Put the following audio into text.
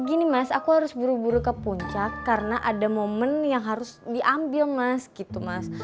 gini mas aku harus buru buru ke puncak karena ada momen yang harus diambil mas gitu mas